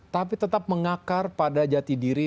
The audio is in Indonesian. tapi tetap mengakar pada jati diri